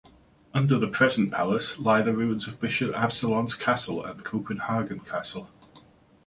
Under the present palace lie the ruins of Bishop Absalon's Castle and Copenhagen Castle.